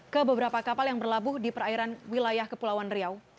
ke beberapa kapal yang berlabuh di perairan wilayah kepulauan riau